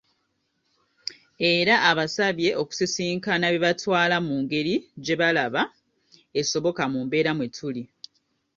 Era abasabye okusisinkana be batwala mu ngeri gye balaba esoboka mu mbeera mwetuli.